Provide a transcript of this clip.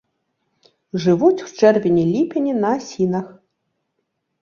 Жывуць у чэрвені-ліпені на асінах.